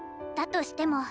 だとしても。